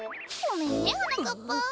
ごめんねはなかっぱ。